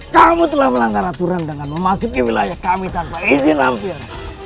kamu telah melanggar aturan dengan memasuki wilayah kami tanpa izin hampir